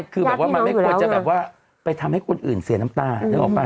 คือแบบว่ามันไม่ควรจะแบบว่าไปทำให้คนอื่นเสียน้ำตานึกออกป่